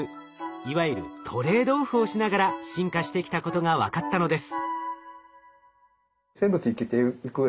いわゆるトレードオフをしながら進化してきたことが分かったのです。